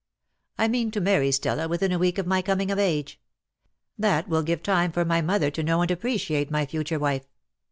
"I mean to marry Stella within a week of my coming of age. That will give time for my mother to know and appreciate my future wife.